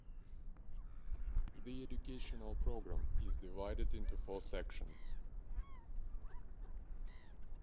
The educational program is divided into four sections.